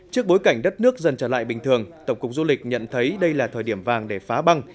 trước bối cảnh đất nước dần trở lại bình thường tổng cục du lịch nhận thấy đây là thời điểm vàng để phá băng